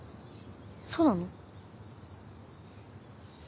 そうなの？